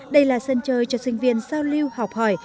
đây là sân chơi cho sinh viên giao lưu học hỏi